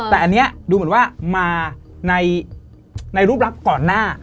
แต่อันนี้ดูเหมือนว่ามาในรูปลักษณ์ก่อนหน้า